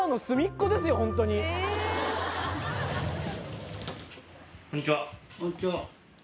こんにちは。